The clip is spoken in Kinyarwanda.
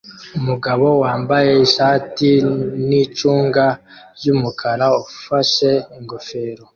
Umugabo wambaye ishati nicunga ryumukara ufashe ingofero